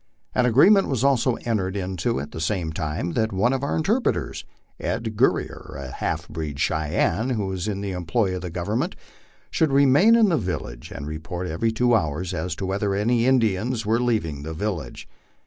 An agreement was also entered into at the same time that one of our interpreters, Ed. Gur rier, a half breed Cheyenne who was in the employ of the Government, should remain in the village and report every two hours as to whether any Indians were leaving the village.